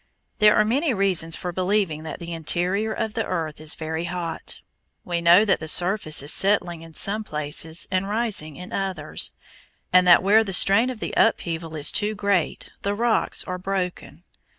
There are many reasons for believing that the interior of the earth is very hot. We know that the surface is settling in some places and rising in others, and that where the strain of the upheaval is too great the rocks are broken.